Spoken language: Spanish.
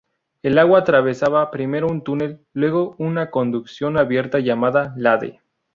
El agua atravesaba primero un túnel, luego una conducción abierta llamada "lade".